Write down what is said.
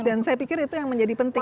dan saya pikir itu yang menjadi penting